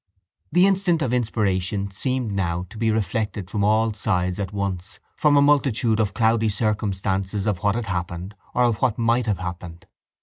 The instant of inspiration seemed now to be reflected from all sides at once from a multitude of cloudy circumstances of what had happened or of what might have happened.